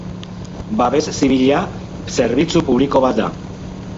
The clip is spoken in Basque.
Babes Zibila zerbitzu publiko bat da.